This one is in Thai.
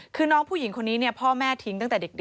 คือน้องผู้หญิงคนนี้เนี่ย